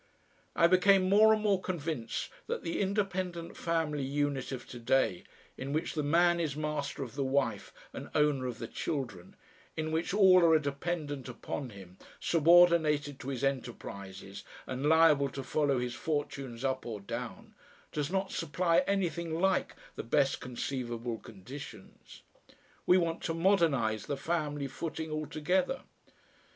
I became more and more convinced that the independent family unit of to day, in which the man is master of the wife and owner of the children, in which all are dependent upon him, subordinated to his enterprises and liable to follow his fortunes up or down, does not supply anything like the best conceivable conditions. We want to modernise the family footing altogether.